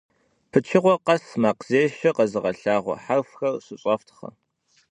Pıçığue khes makhzêşşe khezığelhağue herfxer şış'eftxhe!